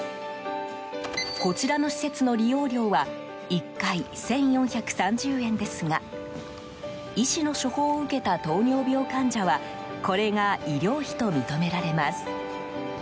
こちらの施設の利用料は１回１４３０円ですが医師の処方を受けた糖尿病患者はこれが医療費と認められます。